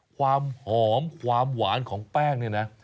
ความหอมความหวานของแป้งเนี่ยนะ